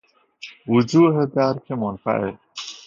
وجوه درک منفعل